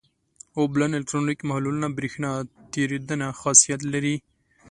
اوبلن الکترولیت محلولونه برېښنا تیریدنه خاصیت لري.